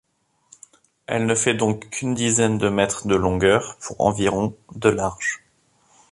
Elle ne fait donc qu'une dizaine de mètres de longueur pour environ de large.